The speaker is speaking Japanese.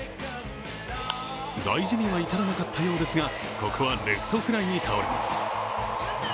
大事には至らなかったようですがここはレフトフライに倒れます。